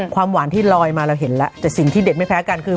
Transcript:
ความหวานที่ลอยมาเราเห็นแล้วแต่สิ่งที่เด็ดไม่แพ้กันคือ